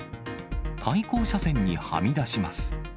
対向車線にはみ出します。